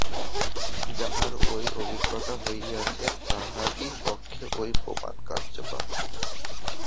যাঁহার ঐ অভিজ্ঞতা হইয়াছে, তাঁহারই পক্ষে ঐ প্রমাণ কার্যকর।